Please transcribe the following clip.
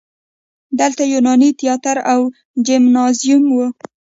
دلته یوناني تیاتر او جیمنازیوم و